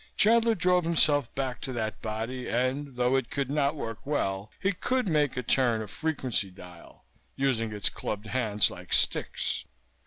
Chandler drove himself back to that body and, though it could not work well, he could make it turn a frequency dial, using its clubbed hands like sticks.